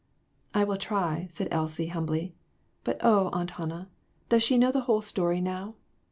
"I will try," said Elsie, humbly. "But oh, Aunt Hannah, does she know the whole story now?